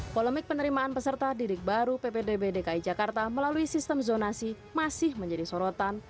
polemik penerimaan peserta didik baru ppdb dki jakarta melalui sistem zonasi masih menjadi sorotan